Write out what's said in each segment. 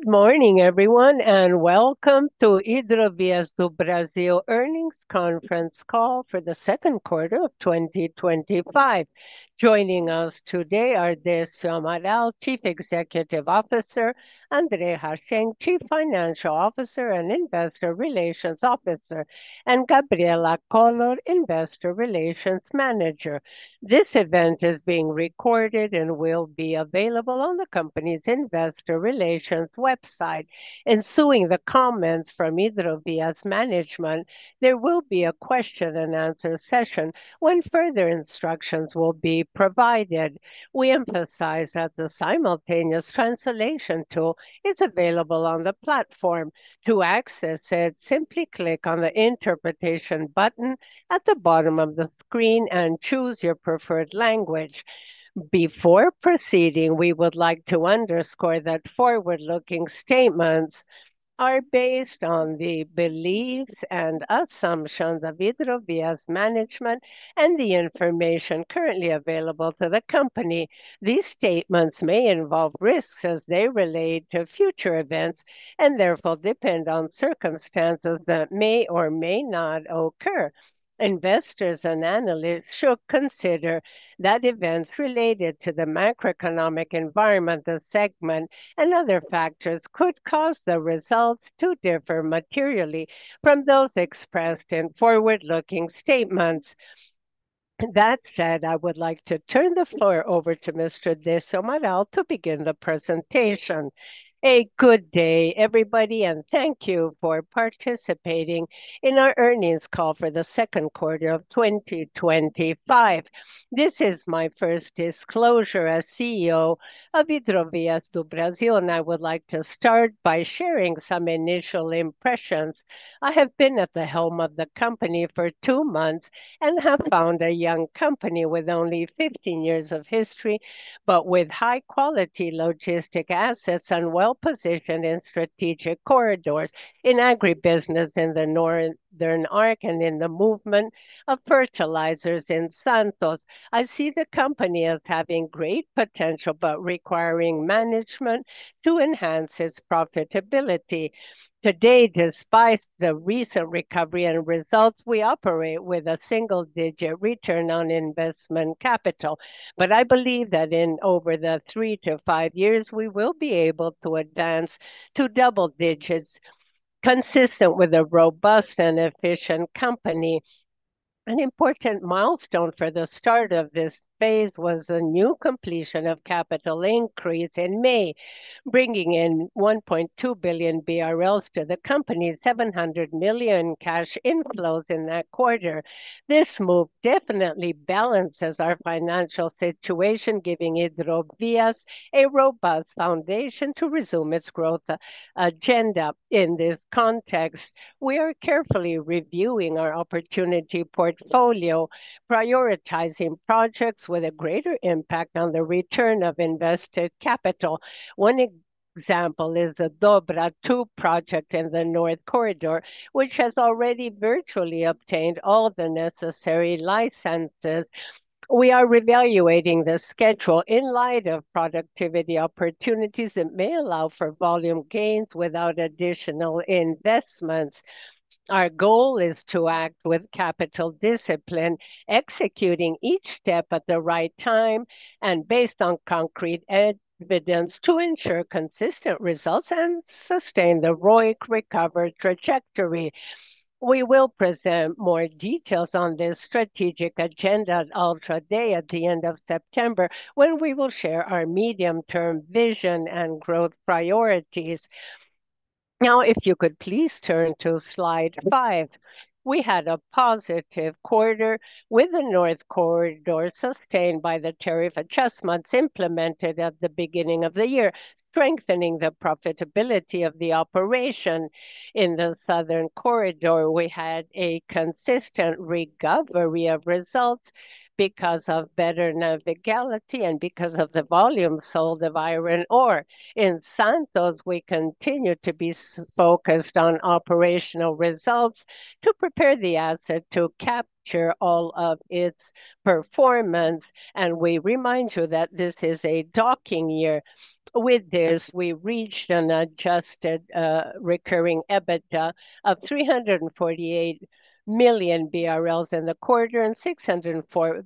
Good morning, everyone, and welcome to Hidrovias do Brasil earnings conference call for the second quarter of 2025. Joining us today are Décio Amaral, Chief Executive Officer; André Hacem, Chief Financial Officer and Investor Relations Officer; and Gabriela Colo, Investor Relations Manager. This event is being recorded and will be available on the company's Investor Relations website. In using the comments from Hidrovias management, there will be a question and answer session when further instructions will be provided. We emphasize that the simultaneous translation tool is available on the platform. To access it, simply click on the "Interpretation" button at the bottom of the screen and choose your preferred language. Before proceeding, we would like to underscore that forward-looking statements are based on the beliefs and assumptions of Hidrovias management and the information currently available to the company. These statements may involve risks as they relate to future events and therefore depend on circumstances that may or may not occur. Investors and analysts should consider that events related to the macroeconomic environment, the segment, and other factors could cause the results to differ materially from those expressed in forward-looking statements. That said, I would like to turn the floor over to Mr. Décio Amaral to begin the presentation. A good day, everybody, and thank you for participating in our earnings call for the second quarter of 2025. This is my first disclosure as CEO of Hidrovias do Brasil, and I would like to start by sharing some initial impressions. I have been at the helm of the company for two months and have found a young company with only 15 years of history, but with high-quality logistic assets and well-positioned in strategic corridors in agribusiness in the Northern Arc and in the movement of fertilizers in Santos. I see the company as having great potential but requiring management to enhance its profitability. Today, despite the recent recovery and results, we operate with a single-digit return on investment capital. I believe that in over the three to five years, we will be able to advance to double digits, consistent with a robust and efficient company. An important milestone for the start of this phase was a new completion of capital increase in May, bringing in 1.2 billion BRL to the company, 700 million cash inflows in that quarter. This move definitely balances our financial situation, giving Hidrovias do Brasil a robust foundation to resume its growth agenda. In this context, we are carefully reviewing our opportunity portfolio, prioritizing projects with a greater impact on the return of invested capital. One example is the Dobra II project in the North Corridor, which has already virtually obtained all the necessary licenses. We are reevaluating the schedule in light of productivity opportunities that may allow for volume gains without additional investments. Our goal is to act with capital discipline, executing each step at the right time and based on concrete evidence to ensure consistent results and sustain the ROIC recovery trajectory. We will present more details on this strategic agenda at Ultra Par Day at the end of September, when we will share our medium-term vision and growth priorities. Now, if you could please turn to slide five. We had a positive quarter with the North Corridor sustained by the tariff adjustments implemented at the beginning of the year, strengthening the profitability of the operation. In the Southern Corridor, we had a consistent recovery of results because of better navigability and because of the volume sold of iron ore. In Santos, we continued to be focused on operational results to prepare the asset to capture all of its performance, and we remind you that this is a docking year. With this, we reached an adjusted recurring EBITDA of 348 million BRL in the quarter and 604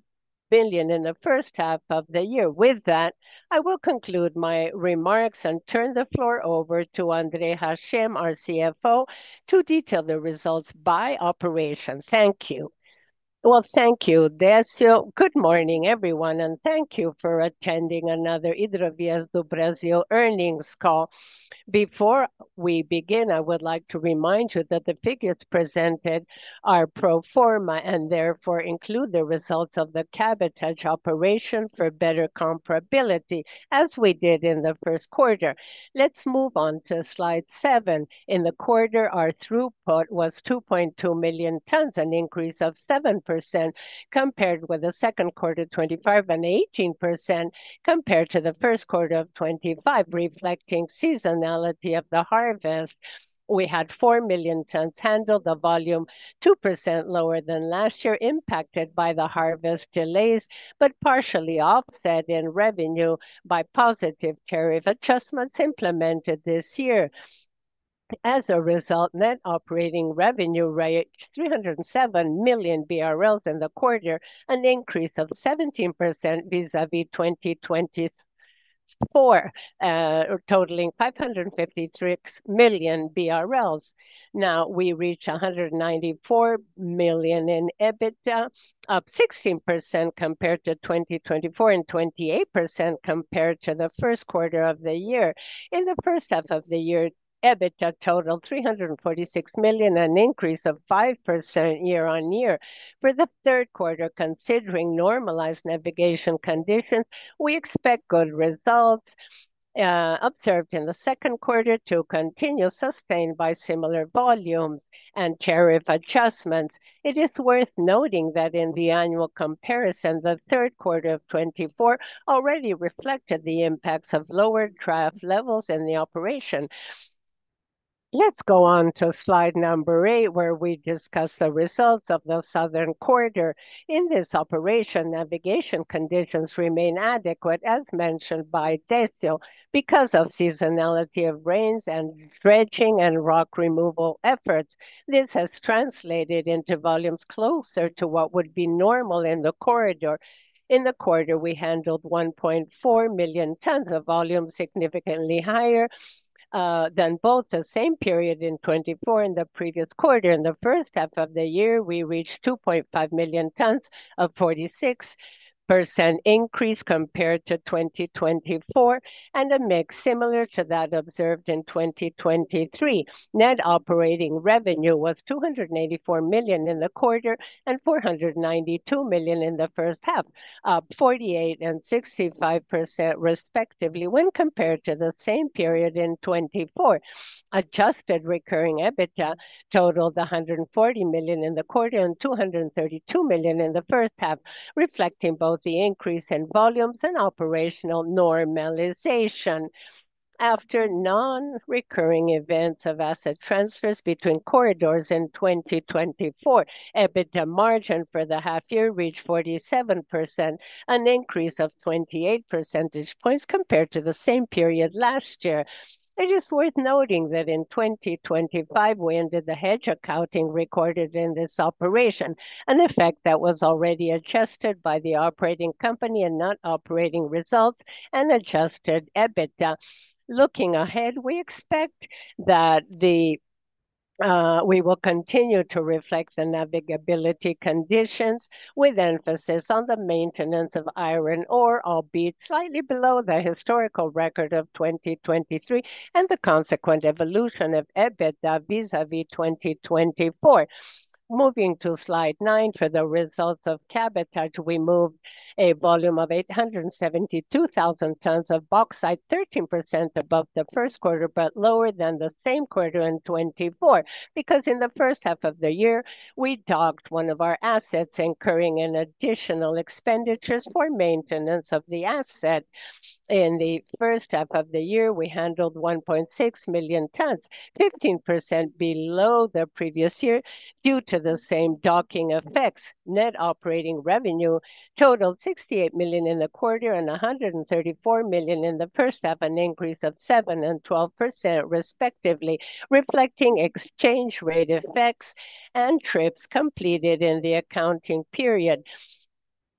million in the first half of the year. With that, I will conclude my remarks and turn the floor over to André Hacem, our Chief Financial Officer, to detail the results by operation. Thank you. Thank you, Décio. Good morning, everyone, and thank you for attending another Hidrovias do Brasil earnings call. Before we begin, I would like to remind you that the figures presented are pro forma and therefore include the results of the cabotage operation for better comparability, as we did in the first quarter. Let's move on to slide seven. In the quarter, our throughput was 2.2 million tons, an increase of 7% compared with the second quarter of 2023, and 18% compared to the first quarter of 2023, reflecting seasonality of the harvest. We had 4 million tons handled, the volume 2% lower than last year, impacted by the harvest delays, but partially offset in revenue by positive tariff adjustments implemented this year. As a result, net operating revenue reached 307 million BRL in the quarter, an increase of 17% vis-à-vis 2024, totaling 556 million BRL. Now, we reach 194 million in EBITDA, up 16% compared to 2024 and 28% compared to the first quarter of the year. In the first half of the year, EBITDA totaled 346 million, an increase of 5% year-on-year. For the third quarter, considering normalized navigation conditions, we expect good results observed in the second quarter to continue, sustained by similar volume and tariff adjustments. It is worth noting that in the annual comparison, the third quarter of 2024 already reflected the impacts of lower draft levels in the operation. Let's go on to slide number eight, where we discuss the results of the Southern Corridor. In this operation, navigation conditions remain adequate, as mentioned by Décio, because of seasonality of rains and dredging and rock removal efforts. This has translated into volumes closer to what would be normal in the corridor. In the quarter, we handled 1.4 million tons, a volume significantly higher than both the same period in 2024 and the previous quarter. In the first half of the year, we reached 2.5 million tons, a 46% increase compared to 2024, and a mix similar to that observed in 2023. Net operating revenue was 284 million in the quarter and 492 million in the first half, up 48% and 65% respectively when compared to the same period in 2024. Adjusted recurring EBITDA totaled 140 million in the quarter and 232 million in the first half, reflecting both the increase in volumes and operational normalization. After non-recurring events of asset transfers between corridors in 2024, EBITDA margin for the half-year reached 47%, an increase of 28 percentage points compared to the same period last year. It is worth noting that in 2025, we ended the hedge accounting recorded in this operation, an effect that was already adjusted by the operating company and not operating results and adjusted EBITDA. Looking ahead, we expect that we will continue to reflect the navigability conditions with emphasis on the maintenance of iron ore, albeit slightly below the historical record of 2023, and the consequent evolution of EBITDA vis-à-vis 2024. Moving to slide nine for the results of cabotage, we moved a volume of 872,000 tons of bauxite, 13% above the first quarter but lower than the same quarter in 2024, because in the first half of the year, we docked one of our assets, incurring additional expenditures for maintenance of the asset. In the first half of the year, we handled 1.6 million tons, 15% below the previous year due to the same docking effects. Net operating revenue totaled 68 million in the quarter and 134 million in the first half, an increase of 7% and 12% respectively, reflecting exchange rate effects and trips completed in the accounting period.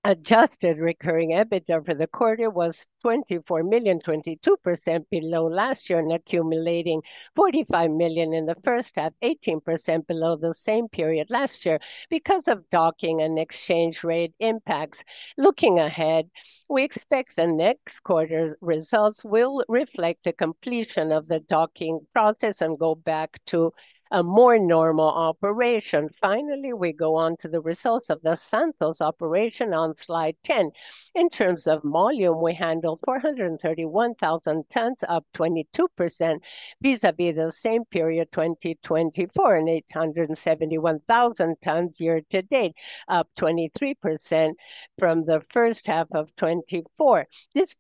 Adjusted recurring EBITDA for the quarter was 24 million, 22% below last year, and accumulating 45 million in the first half, 18% below the same period last year because of docking and exchange rate impacts. Looking ahead, we expect the next quarter's results will reflect the completion of the docking process and go back to a more normal operation. Finally, we go on to the results of the Santos operation on slide 10. In terms of volume, we handled 431,000 tons, up 22% vis-à-vis the same period 2024, and 871,000 tons year to date, up 23% from the first half of 2024. This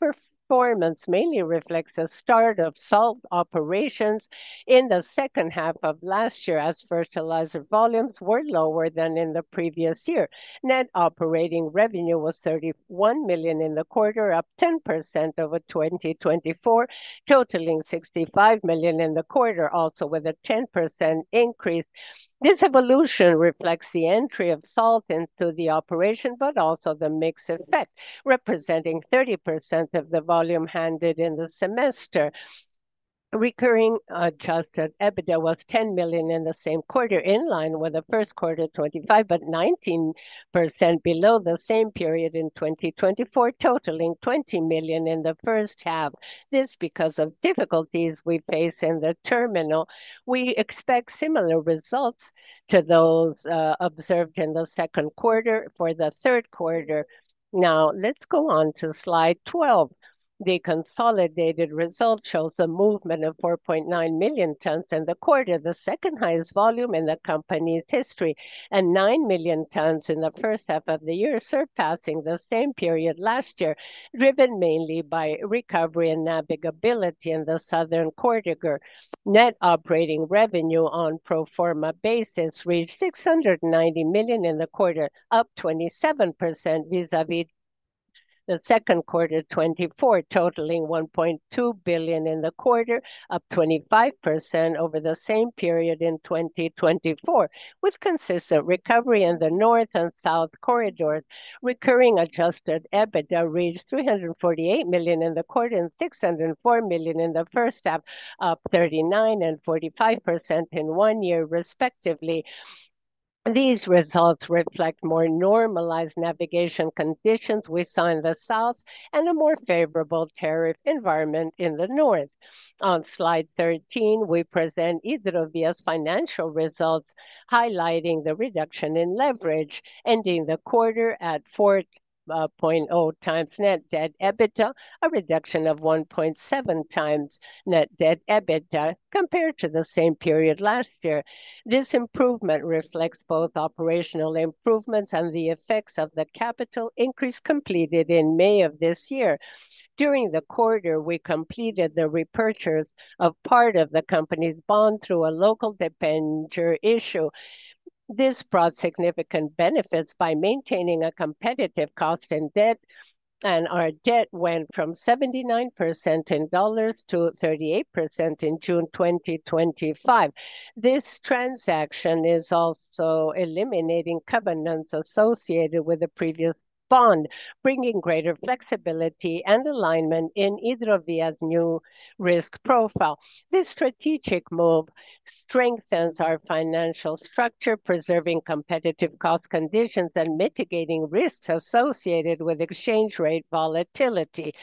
performance mainly reflects the start of salt operations in the second half of last year, as fertilizer volumes were lower than in the previous year. Net operating revenue was 31 million in the quarter, up 10% over 2024, totaling 65 million in the quarter, also with a 10% increase. This evolution reflects the entry of salt into the operation, but also the mix effect, representing 30% of the volume handled in the semester. Recurring adjusted EBITDA was 10 million in the same quarter, in line with the first quarter of 2025, but 19% below the same period in 2024, totaling 20 million in the first half. This, because of difficulties we face in the terminal, we expect similar results to those observed in the second quarter for the third quarter. Now, let's go on to slide 12. The consolidated result shows the movement of 4.9 million tons in the quarter, the second highest volume in the company's history, and 9 million tons in the first half of the year, surpassing the same period last year, driven mainly by recovery and navigability in the Southern Corridor. Net operating revenue on a pro forma basis reached 690 million in the quarter, up 27% vis-à-vis the second quarter of 2024, totaling 1.2 billion in the quarter, up 25% over the same period in 2024. With consistent recovery in the North and South Corridors, recurring adjusted EBITDA reached 348 million in the quarter and 604 million in the first half, up 39% and 45% in one year, respectively. These results reflect more normalized navigation conditions we saw in the South and a more favorable tariff environment in the North. On slide 13, we present Hidrovias do Brasil's financial results, highlighting the reduction in leverage, ending the quarter at 4.0 times net debt/EBITDA, a reduction of 1.7 times net debt/EBITDA compared to the same period last year. This improvement reflects both operational improvements and the effects of the capital increase completed in May of this year. During the quarter, we completed the repurchase of part of the company's bond through a local dependent issue. This brought significant benefits by maintaining a competitive cost in debt, and our debt went from 79% in dollars to 38% in June 2025. This transaction is also eliminating covenants associated with the previous bond, bringing greater flexibility and alignment in Hidrovias do Brasil's new risk profile. This strategic move strengthens our financial structure, preserving competitive cost conditions and mitigating risks associated with exchange rate volatility.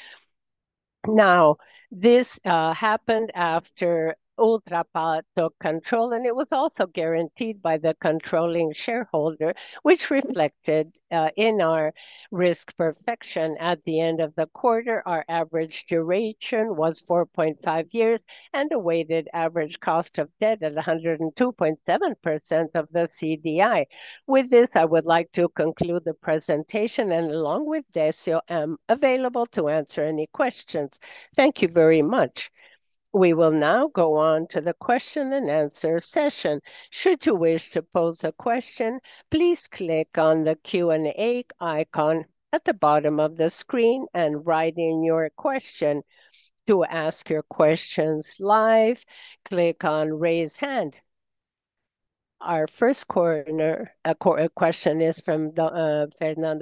Now, this happened after Ultra Par took control, and it was also guaranteed by the controlling shareholder, which reflected in our risk perfection. At the end of the quarter, our average duration was 4.5 years and a weighted average cost of debt at 102.7% of the CDI. With this, I would like to conclude the presentation, and along with Décio, I am available to answer any questions. Thank you very much. We will now go on to the question and answer session. Should you wish to pose a question, please click on the Q&A icon at the bottom of the screen and write in your question. To ask your questions live, click on "Raise Hand." Our first question is from Fernanda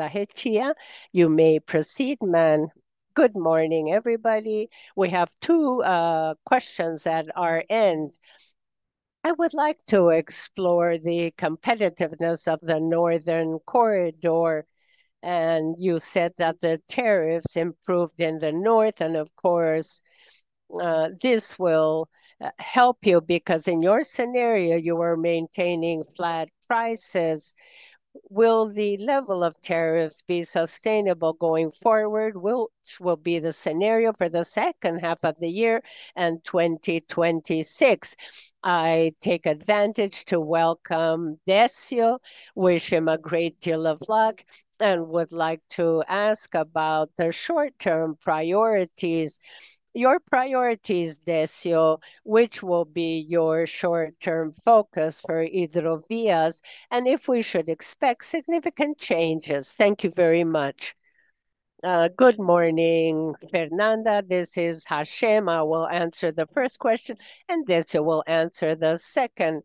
Recchia. You may proceed, ma'am. Good morning, everybody. We have two questions at our end. I would like to explore the competitiveness of the North Corridor, and you said that the tariffs improved in the North, and of course, this will help you because in your scenario, you are maintaining flat prices. Will the level of tariffs be sustainable going forward, which will be the scenario for the second half of the year and 2026? I take advantage to welcome Décio, wish him a great deal of luck, and would like to ask about the short-term priorities. Your priorities, Décio, which will be your short-term focus for Hidrovias, and if we should expect significant changes. Thank you very much. Good morning, Fernanda. This is Hacem. I will answer the first question, and Décio will answer the second.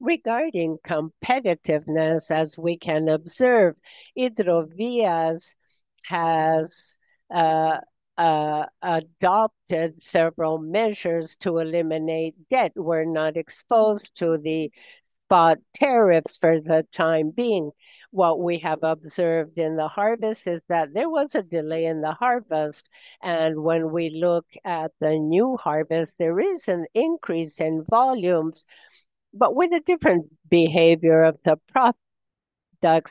Regarding competitiveness, as we can observe, Hidrovias has adopted several measures to eliminate debt. We're not exposed to the spot tariffs for the time being. What we have observed in the harvest is that there was a delay in the harvest, and when we look at the new harvest, there is an increase in volumes, but with a different behavior of the products.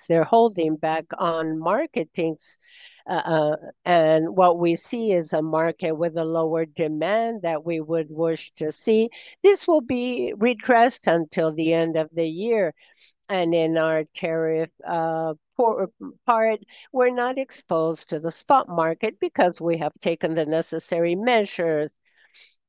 They're holding back on marketing, and what we see is a market with a lower demand that we would wish to see. This will be regressed until the end of the year, and in our tariff part, we're not exposed to the spot market because we have taken the necessary measures.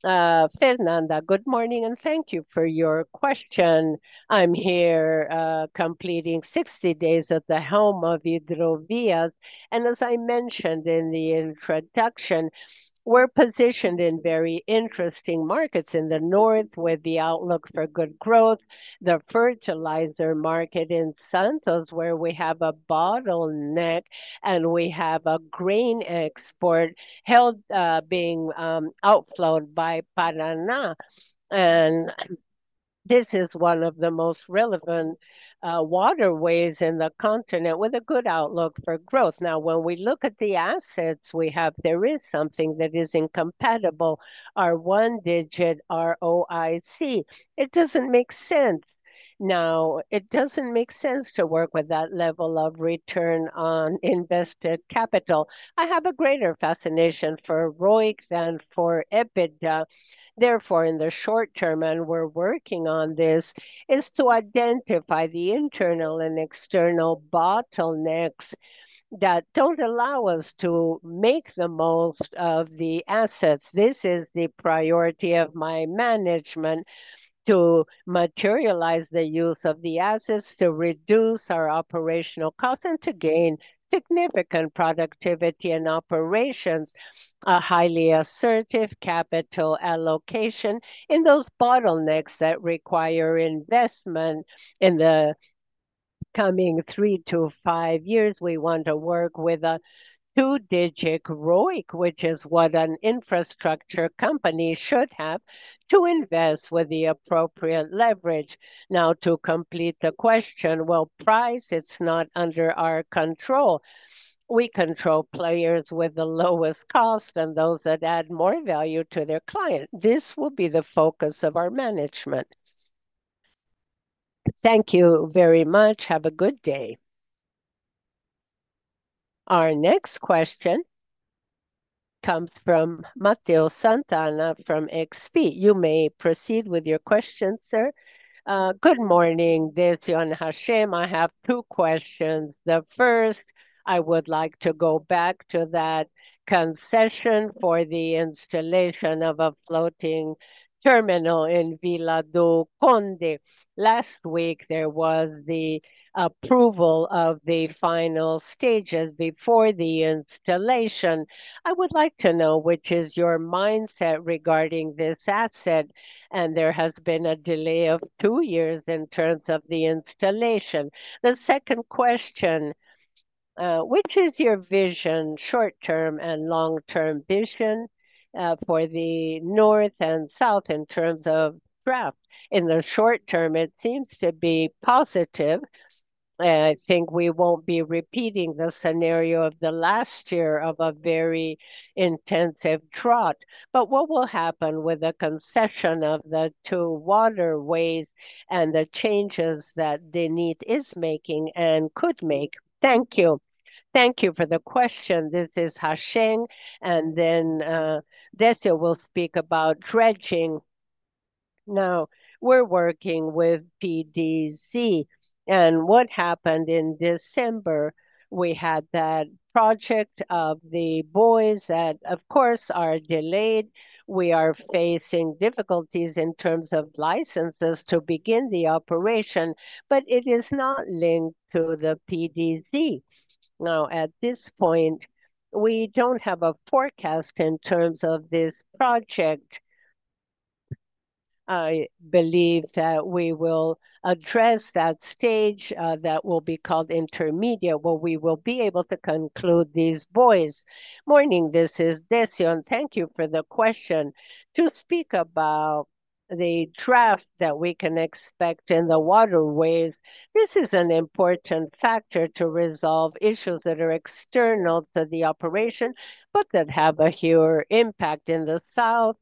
Fernanda, good morning, and thank you for your question. I'm here completing 60 days at the helm of Hidrovias, and as I mentioned in the introduction, we're positioned in very interesting markets in the North with the outlook for good growth, the fertilizer market in Santos, where we have a bottleneck, and we have a grain export held being outflowed by Paraná, and this is one of the most relevant waterways in the continent with a good outlook for growth. Now, when we look at the assets we have, there is something that is incompatible, our one-digit ROIC. It doesn't make sense. Now, it doesn't make sense to work with that level of return on invested capital. I have a greater fascination for ROIC than for EBITDA. Therefore, in the short term, and we're working on this, is to identify the internal and external bottlenecks that don't allow us to make the most of the assets. This is the priority of my management to materialize the use of the assets, to reduce our operational cost, and to gain significant productivity in operations. A highly assertive capital allocation in those bottlenecks that require investment in the coming three to five years. We want to work with a two-digit ROIC, which is what an infrastructure company should have to invest with the appropriate leverage. To complete the question, price, it's not under our control. We control players with the lowest cost and those that add more value to their client. This will be the focus of our management. Thank you very much. Have a good day. Our next question comes from Matheus Sant'Anna from XP. You may proceed with your question, sir. Good morning, Décio and Hacem. I have two questions. The first, I would like to go back to that concession for the installation of a floating terminal in Vila do Conde. Last week, there was the approval of the final stages before the installation. I would like to know which is your mindset regarding this asset, and there has been a delay of two years in terms of the installation. The second question, which is your vision, short-term and long-term vision for the North and South in terms of draft? In the short term, it seems to be positive. I think we won't be repeating the scenario of the last year of a very intensive drought. What will happen with the concession of the two waterways and the changes that DENIT is making and could make? Thank you. Thank you for the question. This is Hacem, and then Décio will speak about dredging. Now, we're working with PDZ, and what happened in December? We had that project of the buoys that, of course, are delayed. We are facing difficulties in terms of licenses to begin the operation, but it is not linked to the PDZ. At this point, we don't have a forecast in terms of this project. I believe that we will address that stage that will be called intermedia, where we will be able to conclude these buoys. Morning, this is Décio. Thank you for the question. To speak about the draft that we can expect in the waterways, this is an important factor to resolve issues that are external to the operation, but that have a huge impact in the South.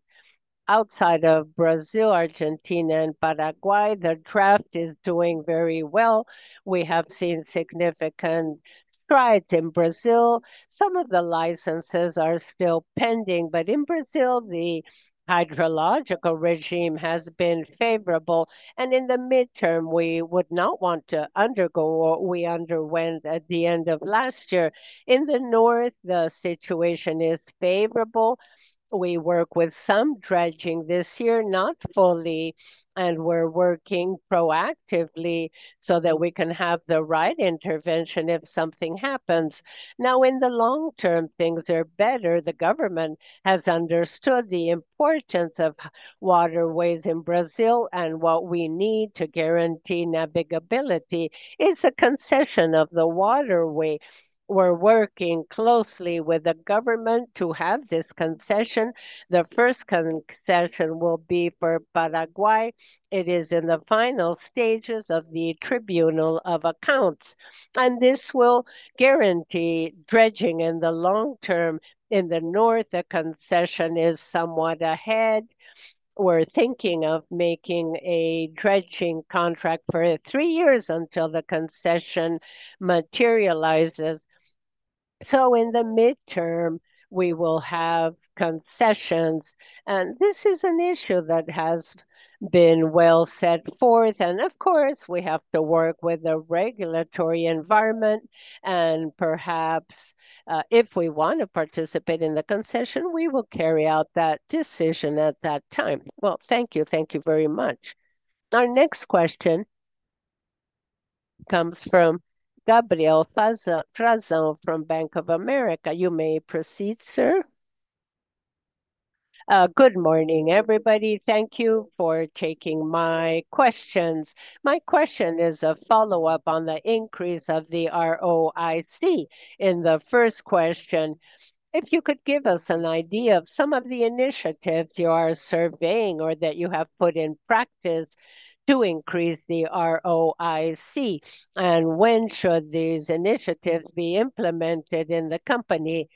Outside of Brazil, Argentina, and Paraguay, the draft is doing very well. We have seen significant strides in Brazil. Some of the licenses are still pending, but in Brazil, the hydrological regime has been favorable, and in the midterm, we would not want to undergo what we underwent at the end of last year. In the North, the situation is favorable. We work with some dredging this year, not fully, and we're working proactively so that we can have the right intervention if something happens. In the long term, things are better. The government has understood the importance of waterways in Brazil and what we need to guarantee navigability is a concession of the waterway. We're working closely with the government to have this concession. The first concession will be for Paraguay. It is in the final stages of the Tribunal of Accounts, and this will guarantee dredging in the long term. In the North, the concession is somewhat ahead. We're thinking of making a dredging contract for three years until the concession materializes. In the midterm, we will have concessions, and this is an issue that has been well set forth. Of course, we have to work with the regulatory environment, and perhaps if we want to participate in the concession, we will carry out that decision at that time. Thank you. Thank you very much. Our next question comes from Gabriel Frazão from Bank of America. You may proceed, sir. Good morning, everybody. Thank you for taking my questions. My question is a follow-up on the increase of the ROIC. In the first question, if you could give us an idea of some of the initiatives you are surveying or that you have put in practice to increase the ROIC, and when should these initiatives be implemented in the company?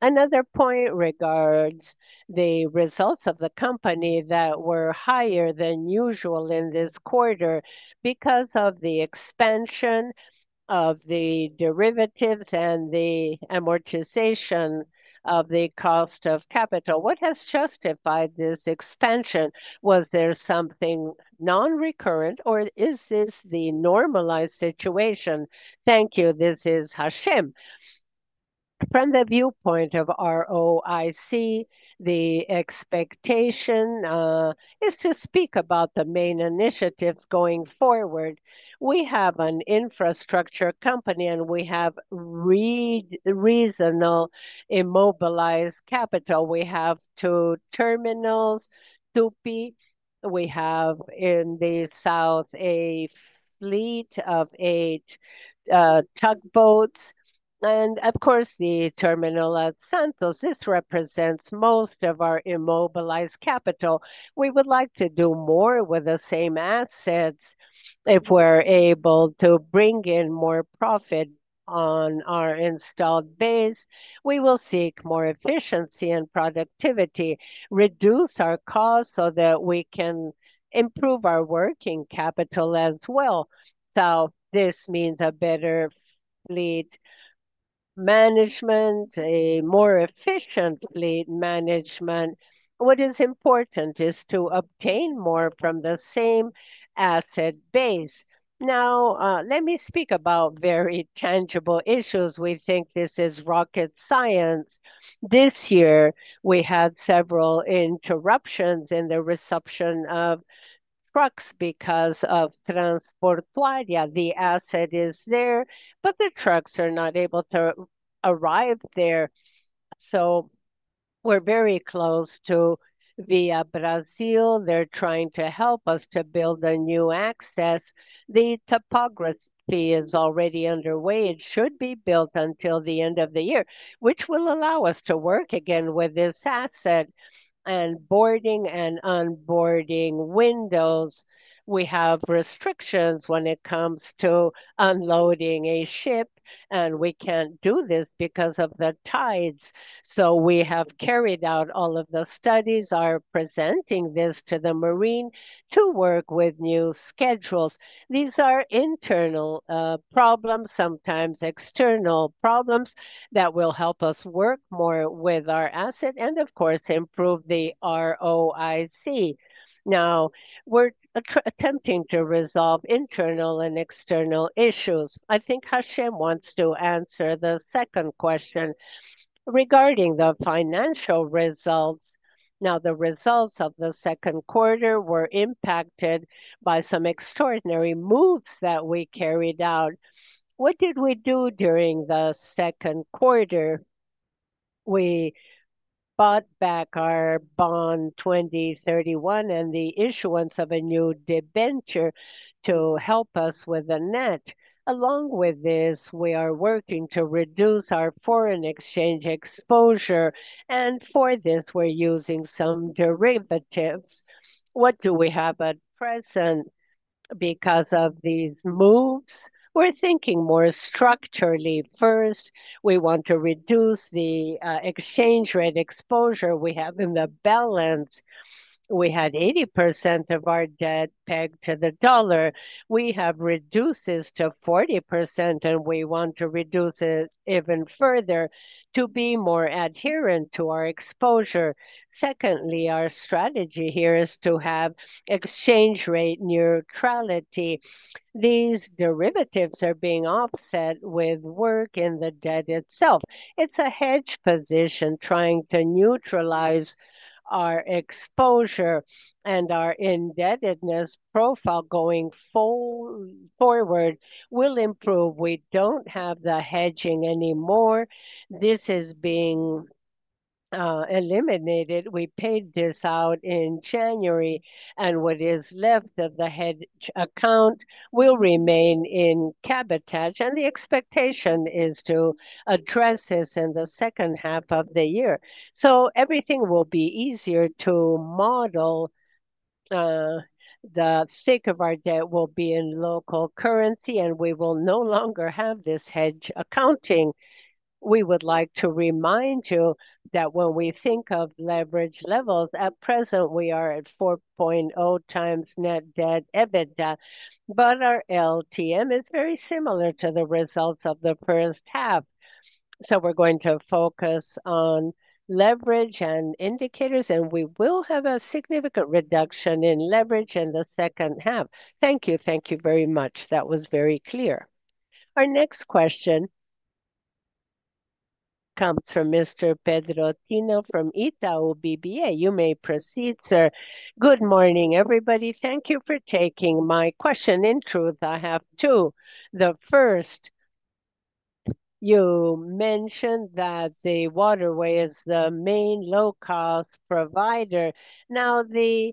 Another point regards the results of the company that were higher than usual in this quarter because of the expansion of the derivatives and the amortization of the cost of capital. What has justified this expansion? Was there something non-recurrent, or is this the normalized situation? Thank you. This is Hacem. From the viewpoint of ROIC, the expectation is to speak about the main initiatives going forward. We have an infrastructure company, and we have reasonable immobilized capital. We have two terminals, two peak. We have in the South a fleet of eight tugboats, and the terminal at Santos represents most of our immobilized capital. We would like to do more with the same assets. If we're able to bring in more profit on our installed base, we will seek more efficiency and productivity, reduce our costs so that we can improve our working capital as well. This means a better fleet management, a more efficient fleet management. What is important is to obtain more from the same asset base. Now, let me speak about very tangible issues. We think this is rocket science. This year, we had several interruptions in the reception of trucks because of transport plagia. The asset is there, but the trucks are not able to arrive there. We're very close to Via Brasil. They're trying to help us to build a new access. The topography is already underway. It should be built until the end of the year, which will allow us to work again with this asset and boarding and onboarding windows. We have restrictions when it comes to unloading a ship, and we can't do this because of the tides. We have carried out all of the studies, and we are presenting this to the marine to work with new schedules. These are internal problems, sometimes external problems that will help us work more with our asset and, of course, improve the ROIC. Now, we're attempting to resolve internal and external issues. I think Hacem wants to answer the second question regarding the financial results. The results of the second quarter were impacted by some extraordinary moves that we carried out. What did we do during the second quarter? We bought back our bond 2031 and the issuance of a new debenture to help us with the net. Along with this, we are working to reduce our foreign exchange exposure, and for this, we're using some derivatives. What do we have at present because of these moves? We're thinking more structurally first. We want to reduce the exchange rate exposure we have in the balance. We had 80% of our debt pegged to the dollar. We have reduced this to 40%, and we want to reduce it even further to be more adherent to our exposure. Secondly, our strategy here is to have exchange rate neutrality. These derivatives are being offset with work in the debt itself. It's a hedge position trying to neutralize our exposure, and our indebtedness profile going forward will improve. We don't have the hedging anymore. This is being eliminated. We paid this out in January, and what is left of the hedge account will remain in cabotage, and the expectation is to address this in the second half of the year. Everything will be easier to model. The stake of our debt will be in local currency, and we will no longer have this hedge accounting. We would like to remind you that when we think of leverage levels, at present, we are at 4.0 times net debt/EBITDA, but our LTM is very similar to the results of the first half. We're going to focus on leverage and indicators, and we will have a significant reduction in leverage in the second half. Thank you. Thank you very much. That was very clear. Our next question comes from Mr. Pedro Tineo from Itaú BBA. You may proceed, sir. Good morning, everybody. Thank you for taking my question. In truth, I have two. The first, you mentioned that the waterway is the main low-cost provider. Now, the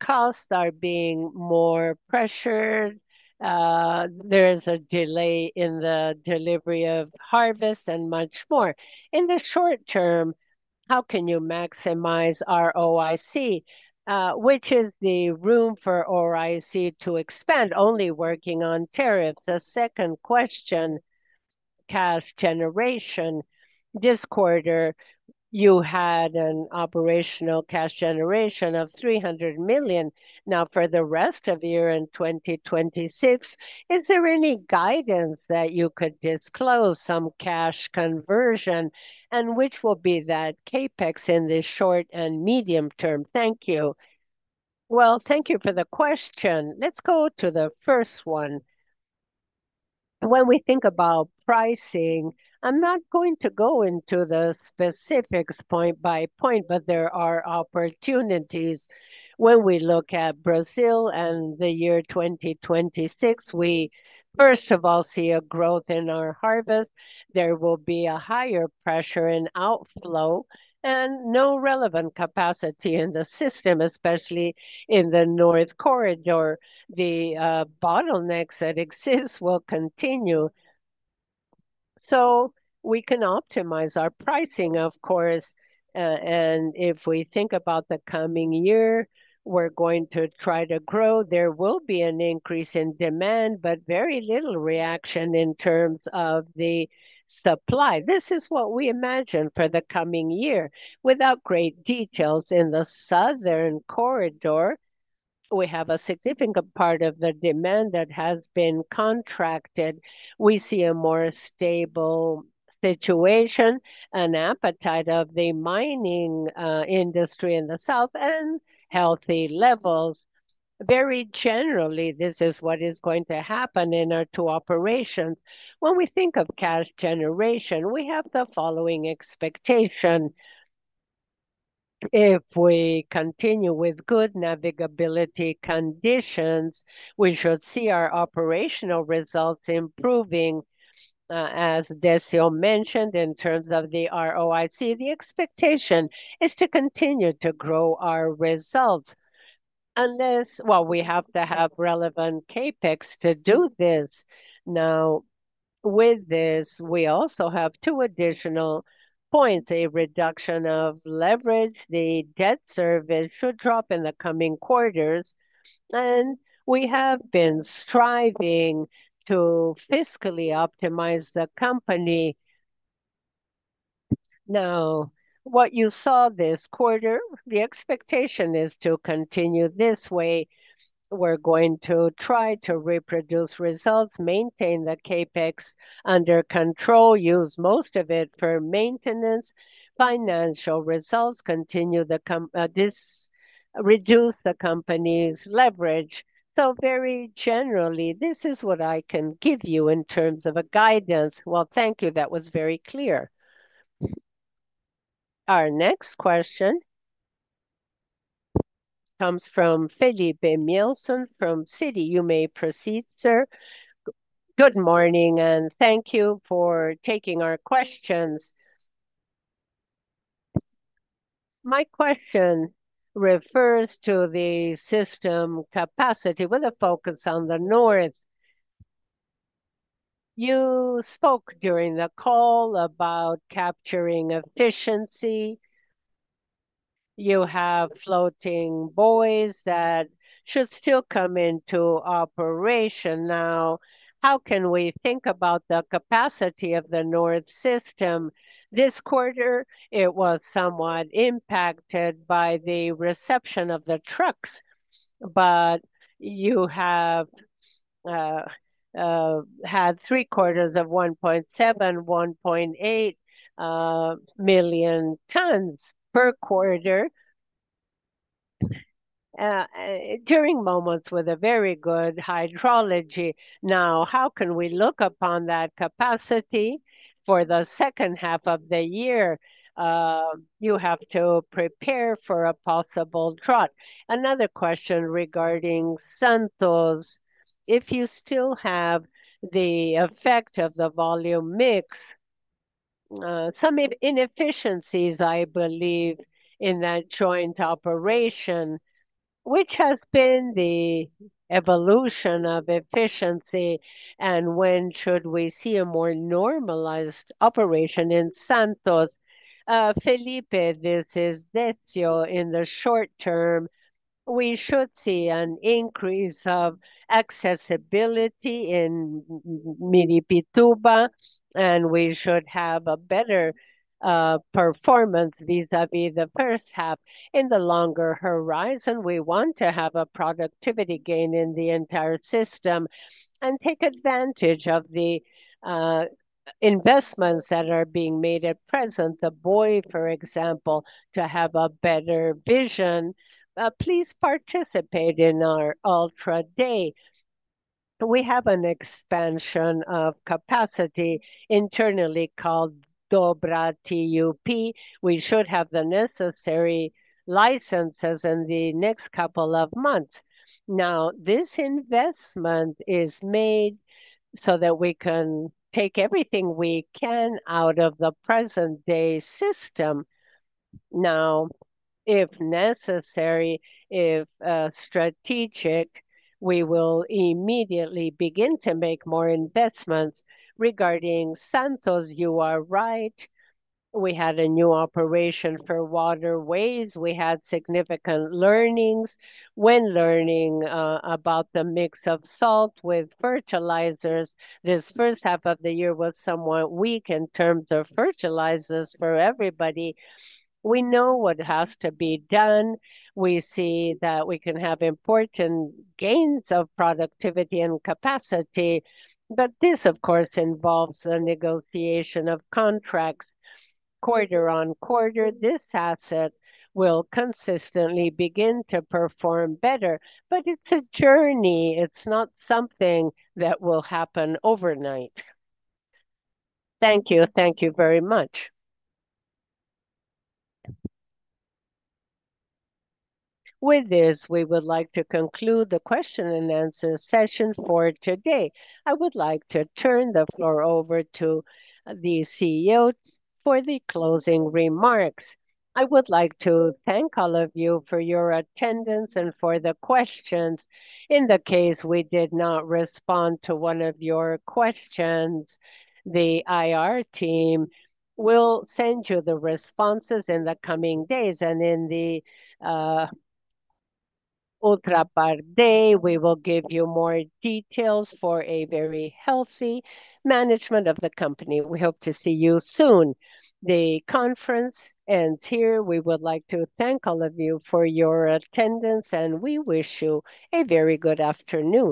costs are being more pressured. There is a delay in the delivery of harvest and much more. In the short term, how can you maximize ROIC? Which is the room for ROIC to expand? Only working on tariffs. The second question, cash generation. This quarter, you had an operational cash generation of 300 million. Now, for the rest of the year and 2026, is there any guidance that you could disclose? Some cash conversion, and which will be that CAPEX in the short and medium term? Thank you. Thank you for the question. Let's go to the first one. When we think about pricing, I'm not going to go into the specifics point by point, but there are opportunities. When we look at Brazil and the year 2026, we, first of all, see a growth in our harvest. There will be a higher pressure in outflow and no relevant capacity in the system, especially in the North Corridor. The bottlenecks that exist will continue. We can optimize our pricing, of course, and if we think about the coming year, we're going to try to grow. There will be an increase in demand, but very little reaction in terms of the supply. This is what we imagine for the coming year. Without great details, in the Southern Corridor, we have a significant part of the demand that has been contracted. We see a more stable situation, an appetite of the mining industry in the South, and healthy levels. Very generally, this is what is going to happen in our two operations. When we think of cash generation, we have the following expectation. If we continue with good navigability conditions, we should see our operational results improving. As Décio mentioned, in terms of the ROIC, the expectation is to continue to grow our results. Unless, we have to have relevant CAPEX to do this. With this, we also have two additional points: a reduction of leverage, the debt service should drop in the coming quarters, and we have been striving to fiscally optimize the company. What you saw this quarter, the expectation is to continue this way. We're going to try to reproduce results, maintain the CAPEX under control, use most of it for maintenance, financial results, reduce the company's leverage. Very generally, this is what I can give you in terms of a guidance. Thank you. That was very clear. Our next question comes from Filipe Nielsen from Citi. You may proceed, sir. Good morning, and thank you for taking our questions. My question refers to the system capacity with a focus on the North. You spoke during the call about capturing efficiency. You have floating buoys that should still come into operation. How can we think about the capacity of the North system? This quarter, it was somewhat impacted by the reception of the trucks, but you have had three quarters of 1.7, 1.8 million tons per quarter during moments with a very good hydrology. Now, how can we look upon that capacity for the second half of the year? You have to prepare for a possible drought. Another question regarding Santos. If you still have the effect of the volume mix, some inefficiencies, I believe, in that joint operation, which has been the evolution of efficiency, and when should we see a more normalized operation in Santos? Felipe, this is Décio. In the short term, we should see an increase of accessibility in Miripituba, and we should have a better performance vis-à-vis the first half. In the longer horizon, we want to have a productivity gain in the entire system and take advantage of the investments that are being made at present. The buoy, for example, to have a better vision. Please participate in our Ultra Par Day. We have an expansion of capacity internally called Dobra TUP. We should have the necessary licenses in the next couple of months. Now, this investment is made so that we can take everything we can out of the present-day system. If necessary, if strategic, we will immediately begin to make more investments. Regarding Santos, you are right. We had a new operation for waterways. We had significant learnings. When learning about the mix of salt with fertilizers, this first half of the year was somewhat weak in terms of fertilizers for everybody. We know what has to be done. We see that we can have important gains of productivity and capacity, but this, of course, involves the negotiation of contracts quarter on quarter. This asset will consistently begin to perform better, but it's a journey. It's not something that will happen overnight. Thank you. Thank you very much. With this, we would like to conclude the question and answer session for today. I would like to turn the floor over to the CEO for the closing remarks. I would like to thank all of you for your attendance and for the questions. In the case we did not respond to one of your questions, the IR team will send you the responses in the coming days, and in the Ultra Par Day, we will give you more details for a very healthy management of the company. We hope to see you soon. The conference ends here. We would like to thank all of you for your attendance, and we wish you a very good afternoon.